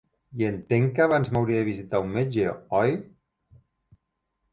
I entenc que abans m'hauria de visitar un metge, oi?